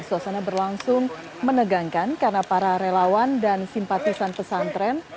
suasana berlangsung menegangkan karena para relawan dan simpatisan pesantren